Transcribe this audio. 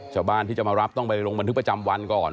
ชาวบ้านที่จะมารับต้องไปลงบันทึกประจำวันก่อน